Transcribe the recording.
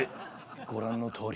ご覧のとおり。